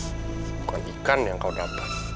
bukan ikan yang kau dapat